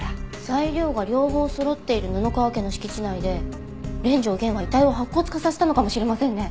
材料が両方そろっている布川家の敷地内で連城源は遺体を白骨化させたのかもしれませんね。